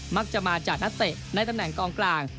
มักจะมาจากนักเตะในตำแหน่งกองกลาง